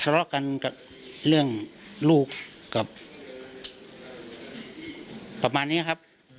ทะเลาะกันกับเรื่องลูกกับประมาณนี้ครับ